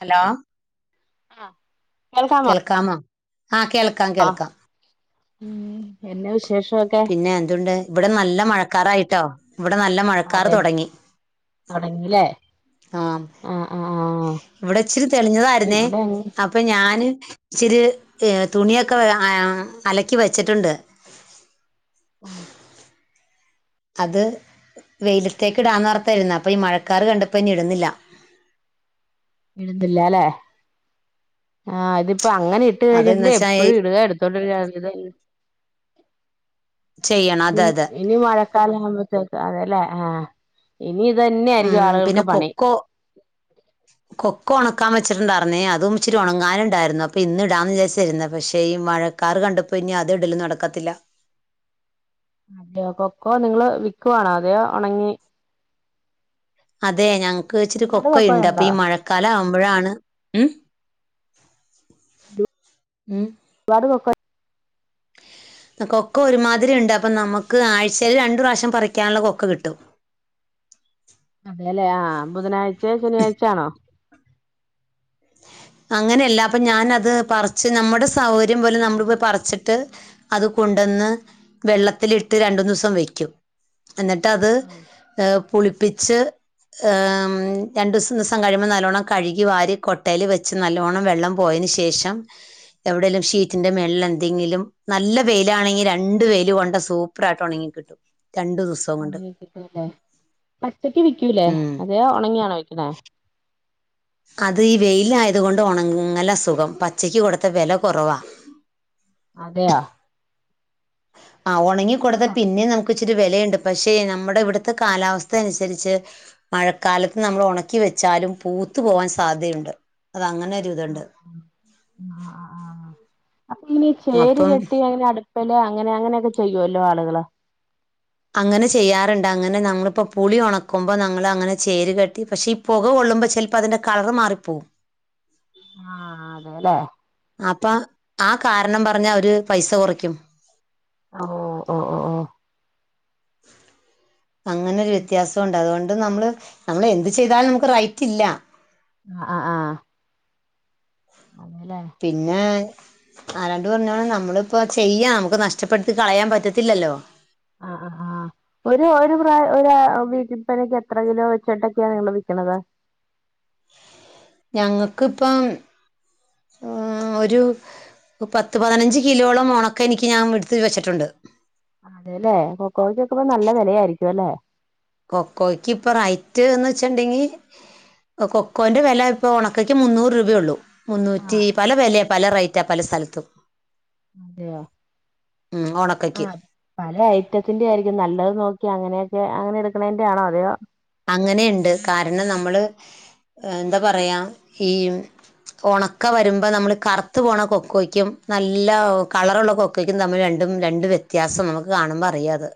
Hello ആ കേൾക്കാമോ ആ കേൾക്കാം കേൾക്കാം. എന്നെ വിശേഷമൊക്കെ പിന്നെ എന്തുണ്ട് ഇവിടെ നല്ല മഴക്കാറായിട്ടോ ഇവിടെ നല്ല മഴക്കാർ അതെ തുടങ്ങി തൊടങ്ങില്ലേ ആ ആഹ് ആഹ് ആഹ് ഇവിടെ ഇച്ചിരി തെളിഞ്ഞതായിരുന്നേ ഇവിടെ അങ്ങ് അപ്പൊ ഞാന് ഇച്ചിരി ഏർ തുണിയൊക്കെ ആ അലക്കി വെച്ചിട്ടുണ്ട് ഉം അത് വെയിലത്തേക്ക് ഇടാന്നർത്തായിരുന്ന അപ്പൊ ഈ മഴക്കാാര് കണ്ടപ്പോ ഇന്ന ഇടുന്നില്ല [inaudible] ഇടുന്നില്ല അല്ലേ ആ ഇത് അപ്പൊ അങ്ങനെ ഇട്ട് അതെന്ന് കഴിഞ്ഞിട്ട് വെച്ചാ ഈ എപ്പോഴും ഇടുക എടുത്തോണ്ട്ഇരിക്കുവഇതേ ചെയ്യണം നി അതെ അതെ ഇനിമാക്കാല അമ്പത്തക്ക അതെല്ലേ ആ ആ പിന്നെ കൊക്കോ കൊക്കോണ മുക്കൻ വച്ചിട്ടുണ്ടായിരേ അതും ഇച്ചിട്ട ഒണക്കാൻ വെച്ചുട്ട് ഡാർന്ന് അതും ഇച്ചിരി ഉണങ്ങാനുണ്ടായിരുന്നു അപ്പൊ ഇന്ന് ഇടാന്ന് വിചാരിച്ചിരുന്നത് പക്ഷേ ഈ മഴക്കാാര് കണ്ടപ്പോൾ പിന്നെ അത് ഇടല നടക്കത്തില്ല അതെയോ കൊക്കോ നിങ്ങള് വിക്കുവാണോ അതെയോ ഉണങ്ങി അതെ ഞങ്ങക്ക് ച്ചിരി ഒരുപാട് കൊക്ക ഉുണ്ട് അപ്പൊ കൊക്കോയുണ്ടോ ഈ മഴക്കാലം ആവുമ്പ അപ്പോഴാണ് ഉം ഉം [unintelligible] [inaudible] [inaudible] കൊക്ക ഒരുമാതിരി ഉണ്ട് അപ്പൊ നമുക്ക് ആഴ്ചൽ രണ്ടു പ്രാവശ്യം പറിക്കാനുള്ള കൊക്ക കിട്ടും [inaudible] അതെല്ലേ ആ ബുധനാഴ്ചയ ശനിയാഴ്ചയാണോ അങ്ങനെയല്ല അപ്പൊ ഞാനത് പറച്ച് നമ്മുടെ സൗകര്യം പോലെ നമ്മൾ പോയി പറിച്ചിട്ട് അത് കൊ കൊണ്ടെന്ന് വെള്ളത്തിലിട്ട് രണ്ടു ദിവസം വെക്കും എന്നിട്ട് അത് ഉം ഏർ പുളിപ്പിച്ച് ആം രണ്ടു ദിവസം ദിവസം കഴിയുമ്പോ നല്ലോണ്ണം കഴുകി വാരി കൊട്ടയിൽ വെച്ച കുച്ച് നല്ലവണ്ണം വെള്ളം പോയതിനന് ശേഷം എവിടെയേലും ഉം ശീറ്റിന്റെ മെൽള്ള എന്തെങ്കിലും നല്ല വെയിലാണെങ്കിൽ രണ്ട വെൽ കൊണ്ട സൂപ്പർ ആട്ടോ ഉണെങ്കിൽ കിട്ടും രണ്ടു ദിവസം കൊണ്ട് പച്ചക്ക് വിക്കൂല്ലേ ഉം അത ഉണങ്ങിയണോ വെക്കണേ അത് ഈ വെയിലായതുക കൊണ്ട് ഉണങ്ങൽ അസുഖം പച്ചയ്ക്ക് കൊടുത്ത വില കുറവാ [inaudible] അതെയാ ആ ഉണങ്ങി കൊടുത്താൽ പറ്റി പിന്നെ നമുക്ക് ഇച്ചിരി വിലയുണ്ട് പക്ഷേ നമ്മുടെ ഇവിടുത്തെ കാലാവസ്ഥ അനുസരിച്ച് മഴക്കാലത്ത് നമ്മൾ ഉണക്കി വെച്ചാലും പൂ ത്തുപോകാന് സാധ്യതയുണ്ട് അത് അങ്ങനെ ഒരു ഇതുണ്ട് ആ ആ ആ അപ്പൊ ഇനി ചേരി അപ്പം ചെട്ടി അങ്ങനെ [unintelligible] അടുപ്പല് അങ്ങനെ അങ്ങനെയൊക്കെ ചെയ്യുവല്ലോ ആളുകള് അങ്ങനെ ചെയ്യാറുണ്ട് അങ്ങനെ നമ്മളിപ്പോ പുളി ഉണക്കുമ്പോ നങ്ങൾ അങ്ങനെ ചേരു കെട്ടി പക്ഷെ പുക കൊ കൊള്ളുമ്പ ചിലപ്പോ അതിന്റെ കളർ മാറിപ്പോവും ആഹ അതെല്ലേ അപ്പൊ ആ കാരണം പറഞ്ഞാ അവര് പൈസ കുറയ്ക്കും ഓ ഓ ഓ ഓ ഓ അങ്ങനെൊരു വ്യത്യാസം ഉണ്ട് അതുകൊണ്ട് നമ്മ നമ്മള് എന്ത് ചെയ്താലും നമുക്ക് റൈറ്റ്ല്ല ആ് ആഹ് ആഹ് അതേല്ലേ പിന്നെ ആരാണ്ട് പറഞ്ഞോ നമ്മളിപ്പ ചെയ്യ നമുക്ക് നഷ്ടപ്പെടുത്തി കളയാൻ പറ്റത്തില്ലല്ലോ ആഹഹ ഒരു ഒരു പ്രായ ഒ വീട്ടിൽപ്പനക്ക എത്ര കിലോ വെച്ചിട്ടൊക്കെയാണ് നിങ്ങള വിക്കണത് ഞങ്ങൾക്കിപ്പം ഒരു പത്ത് പതിനഞ്ച് കിലോളം ഉണക്ക എനിക്ക് ഞാൻ എടുത്ത് വെച്ചിട്ടുണ്ട് അതേല്ലേ കൊക്കോയ്ക്കൊക്കെ ഇപ്പൊ നല്ല വിലയായിരിക്കും അല്ലേ കൊക്കോയ്ക്ക് ഇപ്പൊ റൈറ്റ്ന്ന് വെച്ചിണ്ടെങ്കി കൊക്കോന്റെ വില ഇപ്പൊ ഉണക്കക്ക് മുന്നൂറ് രൂപയള്ളൂ മുന്നൂറ്റി ആഹ് പല വില പല റേറ്റാ പല സ്ഥലത്തും അതെയ ഉം ആ ഉണക്കയ്ക്ക് പല ഐറ്റത്തിന്റെ ആയിരിക്കും നല്ലത് നോക്കി അങ്ങനെയൊക്കെ അങ്ങനെ എടുക്കണന്റെ ആണോ അതെയോ അങ്ങനെയുണ്ട് കാരണം നമ്മള് എന്താ പറയാ ഈ ഉണക്ക വരുമ്പോ നമ്മൾ കറുത്ത് പോണ കൊക്കോയ്ക്കും നല്ല കളറുള്ള കൊക്കോയ്ക്കും തമ്മില രണ്ടും രണ്ടണ്ട് വ്യത്യാസം നമുക്ക് കാണുമ്പോൾ അറിയാത്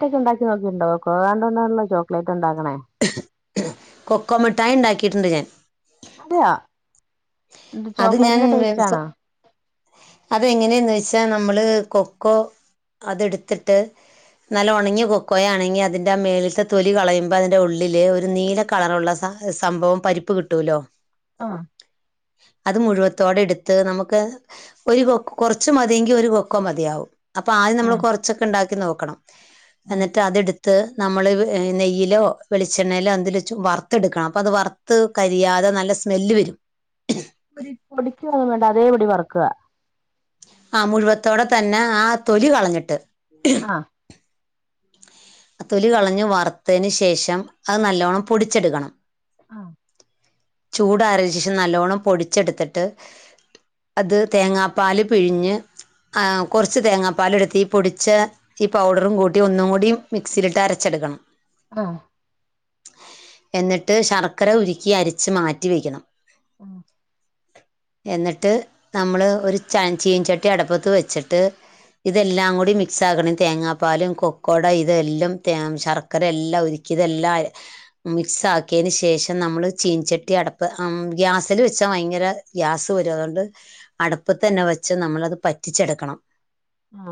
ക്കെ ഉണ്ടാക്കി നോക്കിണ്ടോ കൊണ്ടൊന്നല്ലോ ചോക്ലേറ്റ് ഉണ്ടാക്കണേ കൊക്കോമിഠായി ഉണ്ടാക്കിയിട്ടുണ്ട് ഞാൻ അതെയോ അത് ഞാൻ അത് എങ്ങനെയന്ന് വച്ചാ നമ്മൾ കൊക്കോ അതെടുത്തിട്ട് നല്ല ഉണങ്ങി കൊക്കയാണെങ്കിൽ അതിന്റെ ആ മേളിലത്തെ തൊലി കളയുമ്പോ അതിന്റെ ഉള്ളില് ഒരു നീല കളറുള്ള സാ സംഭവം പരിപ്പ് കിട്ടൂലോ ആഹ അത് മുഴുവത്തോടെ എടുത്ത് നമുക്ക് ഒരു കൊക്ക കുറച്ച് മതിയെങ്കി ഒരു കൊക്കോ മതിയാവും അപ്പൊ ആദ്യം നമ്മൾ ആഹ് കൊറച്ചൊക്കെ ഉണ്ടാക്കി നോക്കണം ആഹ് എന്നിട്ട് അത്ടുത്ത് ത്ത് നമ്മൾ നെയ്യയിലോ വെളിച്ചെണ്ണയിലോ എന്തതില വ വറുത്തെടുക്കണം അപ്പോൾ അത് വറുത്ത് കരിയാതെ ത് നല്ല സ്മെല്ല് വരും [unintelligible] വേണ്ട അതേപൊടി വറക്കുക ആ മുഴുവത്തോടെ തന്നെ ആ തൊലി കളഞ്ഞിട്ട് ആഹ തിലി കളഞ്ഞു വറുത്തതിനന് ശേഷം അത് നല്ലവണ്ണം പൊടിച്ചെടുക്കണം ആഹ് ചൂടാറ്യേ ശേഷം നല്ലവോണ്ണം പൊടിച്ചെടുത്തിട്ട് അത് തേങ്ങാപ്പാല് പിഴിഞ്ഞ് കുറച്ച് തേങ്ങാപ്പാല എടുത്തി പൊടിിച്ച ഈ പൗഡറും കൂട്ടി ഒന്നും കൂടി മിക്സിയിലിട്ട് അരച്ചെടുക്കണം ആഹ എന്നിട്ട് ശർക്കര ഉരുക്കി അരിച്ച്ു മാറ്റിിവെക്കണം ആഹ എന്നിട്ട് നമ്മള് ഒരു ച ചീൻചട്ടി അടപ്പത്ത് വെച്ചിട്ട് ഇതെല്ലാം കൂടി മിക്സ് ആക്കണം തേങ്ങാപ്പാലും കൊക്കോട െല്ല തേങ്ങ ശർക്കരല്ലാംഉരുക്കി അതെല്ലാം മികസാക്കിയതിന ശേഷ നമ്മ പീൻ ചെട്ടി അടപ്പ് ഗ്യാസിൽ വെച്ചാ ഭയങ്കര ഗ്യാസ് വരും അതുകൊണ്ട് അടപ്പ തന്നെ വെച്ച പക്ഷെ നമ്മളത് പറ്റിച്ചെടുക്കണം ആഹ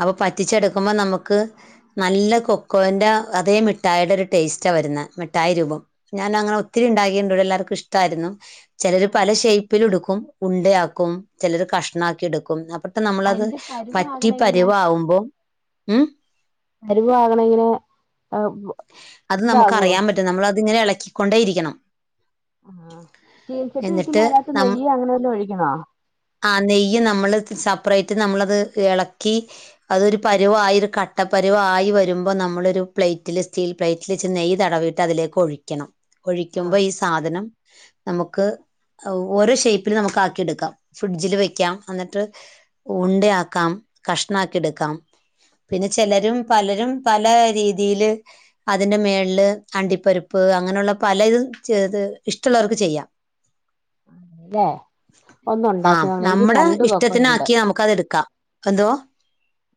അപ്പൊ പറ്റിച്ചെടുക്കുമ്പോ നമുക്ക് ക്ക് നല്ല കൊക്കോന്റാ അതേ മിട്ടായിടെ ഒരു ടെസ്റ്റാ വരുന്നേ മിട്ടായി രൂപം അന് അങ്ങനെ ഒത്തിരി ഉണ്ടാക്കേണ്ടൂ എല്ലാറ്ക്കും ഇഷ്ടാരുന്നു ചെലര് ആഹ് പല ഷേപ്പില് ഉടുക്കും ഉണ്ടയാക്കും ചെലര് കഷ്ണാക്കി എടുക്കും അപ്പ നമ്മളത് അതിന്റെ പറ്റി പരുവാകണ എങ്ങനെയാ പരുവാവുമ്പം ഉം പരുവാകണേ എങ്ങനേ അത് നമുക്ക് അറിയാൻ പറ്റും നമ്മളത് ഇങ്ങനെ എളക്കിക്കൊണ്ടേ ഇരിക്കണം ആ ചീൻച്ചട്ടീ ഇട്ട് എന്നിട്ട് ആനാത്ത് നം നെയ്യ് അങ്ങനെ വെല്ലോം ഒഴിക്കണോ ആ നെയ്യ് നമ്മള് സ പ്രേറ്റ് നമ്മളത് എളക്കി അതൊരു പരുവായിരു കട്ടപരുവായി വരുമ്പം നമ്മളൊരു പ്ലേറ്റില് സ്റ്റീൽ പ്ലേറ്റിൽച്ച് നെയ് തടവീട്ട് അതിലേക്ക് ഒഴിക്കണം ഒഴിക്കുമ്പ ആഹ് ഈ സാധനം നമുക്ക് ഓരോ ഷേപ്പില് നമുക്ക് ആക്കിയെടുക്കാം ഫ്രിഡ്ജില് വെയ്ക്കാം അന്നിട്ട് ഉണ്ടയാക്കാം കഷ്ണാക്കിടുക്കാം പിന്നെ ചെലരും പലരും പലാ രീതിയില് അതിന്റെ മേൾല് അണ്ടിപ്പരിപ്പ് അങ്ങനൊള്ള പല ഇതും ചേത് ഇഷ്ടള്ളവർക്ക് ചെയ്യാം [inaudible] [unintelligible] ഒന്ന് ആ ഒണ്ടാക്കി നോക്ണം എനിക്ക് നമ്മുടെ രണ്ടു കൊക്കോ ഒണ്ട് ഇഷ്ടത്തിനാക്കി നമുക്കത് എടുക്കാം എന്തോ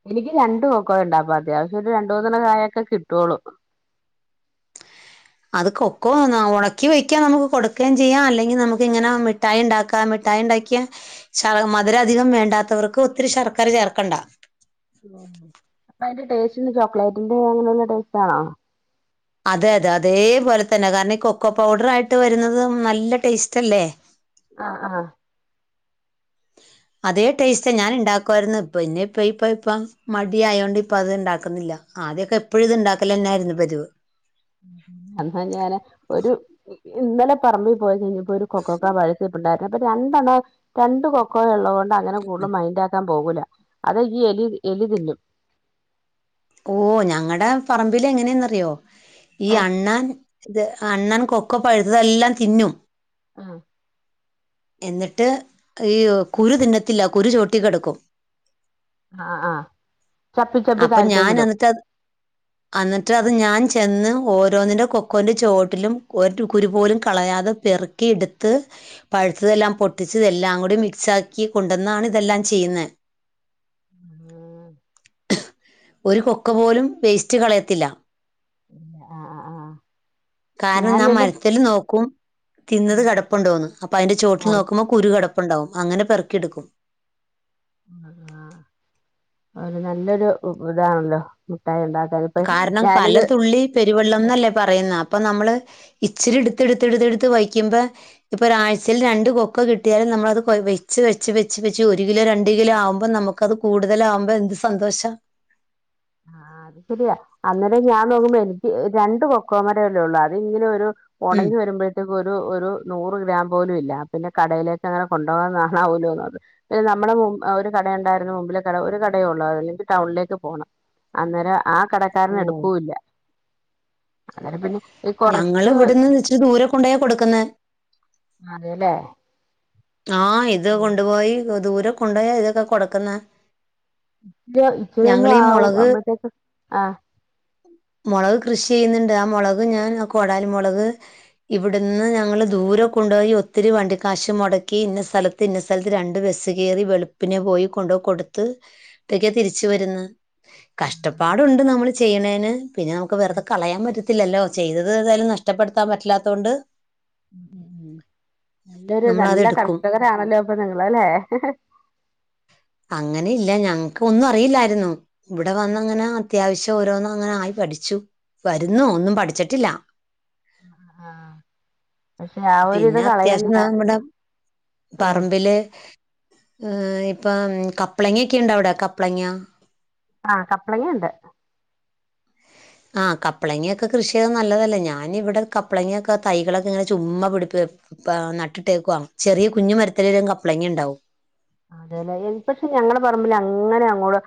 എനിക്ക് രണ്ടു കൊക്കോയൊണ്ടപ്പ അത്യാവശ്യം ഒരു രണ്ട് മൂന്നെണ്ണം കായക്കെ കിട്ടുവോളൂ [inaudible] അത് കൊക്കോ ന ഒണക്കി വെയ്ക്കാം നമുക്ക് കൊടുക്കേം ചെയ്യാം അല്ലെങ്കി നമുക്ക് ഇങ്ങനെ ആ മിഠായി ഉണ്ടാക്കാം മിഠായി ണ്ടാക്കിയ ശർ മധുരധികം വേണ്ടാത്തവർക്ക് ഒത്തിരി ശർക്കര ചേർക്കണ്ട അപ്പ അയിന്റെ ടേസ്റ്റ്ന്ന് ചോക്ലേറ്റിന്റെ അങ്ങനെയുള്ള ടേസ്റ്റ് ആണോ അതേ അതേ അതേപോലെ തന്നെ കാരണം ഈ കൊക്കോ പൗഡർ ആയിട്ട് വരുന്നതും നല്ല ടേസ്റ്റ് അല്ലേ ആ ആഹ് [inaudible] അതേ ടേസ്റ്റാ ഞാൻ ഉണ്ടാക്കു ആരുന്നു ഇപ്പൊ ഇന്നിപ്പ ഇപ്പ ഇപ്പം മടിയായോണ്ട് ഇപ്പ അത് ഇണ്ടാക്കുന്നില്ല ആദ്യൊക്കെ എപ്പോഴും ഇത് ഇണ്ടാക്കലന്നെയാരുന്നു പതിവ് എന്നാ ഞാന് ഒരു ഇന്നലെ പറമ്പിൽ പോയി കഴിഞ്ഞപ്പോ ഒരു കൊക്കോക്കാ പഴുത്ത് നിപ്പുണ്ടാരുന്നു അപ്പൊ രണ്ടെണ് രണ്ട് കൊക്കോ ഒള്ള കൊ ണ്ട് അങ്ങനെ കൂട്ളും മൈന്റ് ആക്കാൻ പോകൂലാ അത് ഈ എലി എലി തിന്നും ഓ ഞങ്ങടെ പറമ്പില് എങ്ങനേന്നറിയോ ഈ അണ്ണാൻ ഇത് അണ്ണാൻ കൊക്കോ പഴുത്തതെല്ലാം തിന്നും ആഹ് എന്നിട്ട് ഈ കുരു തിന്നത്തില്ല കുരു ചോട്ടി കെടക്കും ആ ആ ആഹ് ചപ്പി ചപ്പി താഴത്തേക്ക് ഇടും അന്നിട്ട് അത് ഞാൻ ച് ചെന്ന് ഓരോന്നിന്റെ കൊക്കോന്റെ ചോട്ടിലും ഒരു കുരു പോലും കളയാതെ പെറുക്കി എടുത്ത് പഴുത്തതെല്ലാം പൊട്ടിച്ച് എല്ലാം കൂടി മിക്സ് ആക്കി കൊണ്ടന്നാണ് ഇതെല്ലാം ചെയ്യുന്നേ ഒരു കൊക്കൊ പോലും വേസ്റ്റ് കളയത്തില്ല ഒ ആ ആ ആ കാരണം ഞാൻ മരത്തില് നോക്കും തിന്നത് കെടപ്പൊണ്ടോന്ന് അപ്പ അയിന്റെ ചോട്ടിൽ ആഹ് നോക്കുമ്പം കുരു കെട പ്പൊണ്ടാവും അങ്ങനെ പെറുക്കിയെടുക്കും ആ ആ നല്ലൊരു ഇതാണല്ലോ മുട്ടായി ഉണ്ടാക്കാൻ ഇപ്പൊ കാരണം ഞാനിത് പലതുള്ളി പെരുവെള്ളംന്നല്ലേ പറയുന്ന അപ്പം നമ്മള് ഇച്ചിര് എടുത്ത് എടുത്ത് എടുത്ത് എടുത്ത് വയ്ക്കുമ്പ ഇപ്പൊ ഒരാഴ്ചയിൽ രണ്ട് കൊക്കോ കിട്ടിയാലും നമ്മളത് കൊ വെച്ച് വെച്ച് വെച്ച് വെച്ച് ഒരു കിലോ രണ്ട് കിലോ ആവുമ്പം നമ്മുക്കത് കൂടുതൽ ആവ്മ്പ എന്ത് സന്തോഷാ ആ അത് ശരിയാ അന്നേരം ഞാൻ നോക്കുമ്പോ എനിക്ക് രണ്ട് കൊക്കോ മരല്ലേ ഒള്ളു അത് ഇങ്ങനെ ഒരു ഉം ഒണങ്ങി വരുമ്പഴ്‌ത്തേക്ക് ഒരു ഒരു നൂറ് ഗ്രാം പോലും ഇല്ലാ പിന്നെ കടയിലേക്കങ്ങനെ കൊണ്ടോവാനാ നാവൂലൊന്നാമത് പിന്നെ മ്മടെ മു അ ഒര് കടയ്ണ്ടായിരുന്നു മുമ്പിലെ കട ഒരു ക ടേഒള്ളൂ അതല്ലെങ്കിൽ ടൗണിലേക്ക് പോണം അന്നേരം ആ കടക്കാരന എടുക്കൂല്ല അന്നേരം പിന്നെ ഈ ഞങ്ങള് കൊറച്ച് വ്ട്ന്ന് ച്ചിരി ദൂരെ കൊണ്ടോയ കൊട്ക്ക്‌ന്നേ ആതെലേ ആ ഇത് കൊണ്ട്പോയി ദൂരെ കൊണ്ടോയ തൊക്കെ കൊടുക്കുന്നേ [unintelligible] ച്ചിരൊന്നാവും അപ്പത്തേക്ക്‌ ആ മൊളക് കൃഷി ചെയ്യുന്നുണ്ട് ആ മൊളക് ഞാൻ ആ കോടാലി മൊളക് ഇവിടുന്ന് ഞങ്ങള് ദൂരം കൊണ്ടോയി ഒത്തിരി വണ്ടി കാശ് മൊട ക്കി ന്ന സ്ഥലത്ത് ഇന്ന സ്ഥലത്ത് രണ്ട് ബെസ് കേറി വെളുപ്പിനെ പോയി കൊണ്ട് കൊടുത്ത് ട്ടൊക്കെ തിരിച്ച് വരുന്ന്. കഷ്ടപ്പാടുണ്ട് നമ്മൾ ചെയ്യണേന് പിന്നെ നമുക്ക് വെറുതെ കളയാൻ പറ്റ ത്തില്ലല്ലോ ചെയ്തത് ഏതായാലും നഷ്ടപ്പെടുത്താൻ പറ്റ്ല്ലാതോണ്ട് ഉം ഉം നല്ലൊരു നമ്മളത് നല്ല കർ എടുക്കും നാണല്ലോ പ്പൊ നിങ്ങള് അല്ലേ ങ്ങനില്ല ഞങ്ങക്ക് ഒന്നും അറിയില്ലായിരുന്നു വടെ വന്നങ്ങനെ അത്യാവശ്യ ഓരോന്നും അങ്ങനായി പഠിച്ചു വരുന്നു ഒന്നും പഠിച്ചിട്ടില്ല. ആ പക്ഷെ ആ ഒരിത് പിന്നെ അത്യാവശ്യം കളയണ്ട നമ്മുടെ ആഹ് പറമ്പില് മ്ഹ് ഇപ്പ കപ്ളങ്ങൊക്കെ ണ്ടവിടെ കപ്ളങ്ങ ആ കപ്ലങ്ങ ണ്ട് ആ കപ്പളങ്ങൊക്കെ കൃഷ്യെയ്താ നല്ലതല്ലേ ഞാനിവിടെ കപ്പളങ്യോക്കെ തൈകളൊക്കെ ങ്ങനെ ചുമ്മാ പിടിപ്പ് നട്ടിട്ടേക്കുവാ ചെറിയ കുഞ്ഞു മരത്തിലെല്ലാം കപ്പളങ്ങ ണ്ടാവും. അതെലെ എൽ പക്ഷെ ഞങ്ങളെ പറമ്പിലങ്ങനെ അങ്ങോട്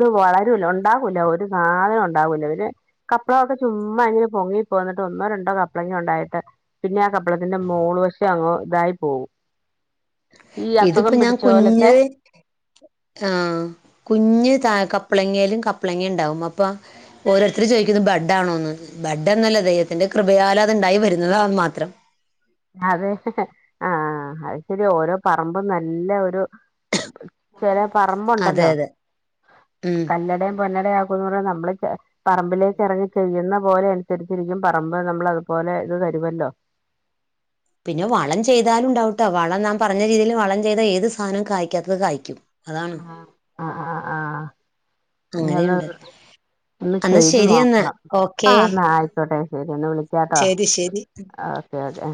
ത് വളരുല്ലോ ണ്ടാവൂല ഒരു സാധനം ഉണ്ടാവൂല ഒര് കപ്പളക്കെ ചുമ്മാ ങ്ങനെ പൊങ്ങിപ്പോന്നിട്ട് ഒന്നോ രണ്ടോ കപ്പള ങ്ങണ്ടായിട്ട് പിന്നെ ആ കപ്പളത്തിന്റെ മോള് വശം അങ്ങ് തായി പോവും ഇത്പ്പോ ഞാൻ പോലത്തെ കുഞ്ഞ് ആ കുഞ്ഞ് താ കപ്പളങ്ങയിലും കപ്പളങ്ങണ്ടാവും അപ്പൊ ഓരോര്ത്തർ ചോയ്ക്കും ത് ബഡ് ആണോന്ന് ബഡോന്നുഅ ല്ലിത് തിന്റെ കൃപയാലത് ണ്ടായി വരുന്നതാന്ന് മാത്രം. അതെ ആ അ അത്ശരി ഓരോ പറമ്പും നല്ല ഒരു ചെല അതെ പറമ്പുണ്ടല്ലോ അതെ ഉം കല്ലടേം പൊന്നടേം ആക്കുംന്നർഞ്ഞ മ്മള് പറമ്പിലേക്കെറങ്ങി ചെയ്യ്ന്ന പോലെ അനുസര്ച്ചിരിക്കും പറമ്പ് നമ്മൾ അതുപോലെ ത് തരുമല്ലോ പിന്നെ വളം ചെയ്താലുണ്ടാവുട്ടോ വളം നാം പറഞ്ഞ രീതീല് വളം ചെയ്ത ഏത് സാനും കായ്ക്കാത്തത് കായ്ക്കും. അതാണ് ആ ആ ആ ആ അങ്ങനെയുണ്ട് ഇന്യതൊന്ന് ഒന്ന് എന്നാ ചെയ്ത് ശരി എന്നാ നോക്കണം ആ ഓക്കേ ന്നാ അയ്ക്കോട്ടെ ശെരിന്ന വിളിക്കാട്ടോ ശരി ശരി ഓക്കെ ഓക്കെ